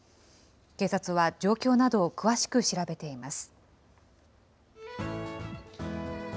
警察は状況などを詳しく調べています。